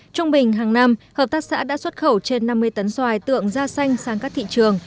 trung bình hàng năm hợp tác xã đã xuất khẩu trên năm mươi tấn xoài tượng da xanh sang các thị trường